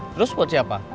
terus buat siapa